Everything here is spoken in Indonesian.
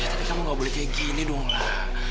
ya tapi kamu enggak boleh kayak gini dong lah